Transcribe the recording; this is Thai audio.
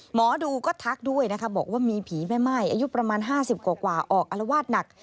หมอดูก็ทักด้วยนะคะบอกว่ามีผีแม่ม่ายอายุประมาณ๕๐กว่าออกอารวาสหนัก